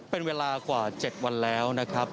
เป็นเวลากว่า๗วันแล้วนะครับ